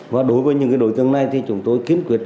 và đối với những cái đối tượng này thì chúng tôi kiến quyết